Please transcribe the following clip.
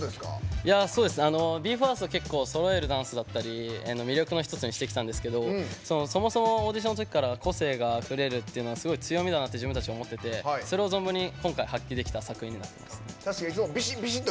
ＢＥ：ＦＩＲＳＴは結構そろえるダンスだったり魅力の一つにしてきたんですけどそもそもオーディションのときから個性があふれるのがすごい強みだなって自分たちで思っててそれを存分に今回やれることができたと思います。